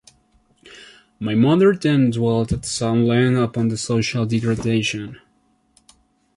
My mother then dwelt at some length upon the social degradation.